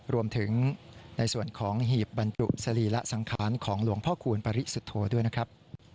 รวมถึงในส่วนของหีบบรรจุสรีระสังขารของหลวงพ่อคูณปริสุทธโธด้วยนะครับ